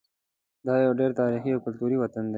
دا یو ډېر تاریخي او کلتوري وطن دی.